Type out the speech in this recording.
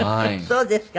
そうですか。